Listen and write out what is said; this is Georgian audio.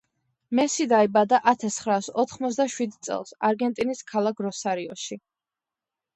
მესი დაიბადა ათას ცხრაას ოთხმოცდა შვიდ წელს არგენტინის ქალაქ როსარიოში